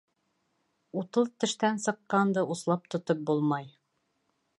Утыҙ тештән сыҡҡанды услап тотоп булмай.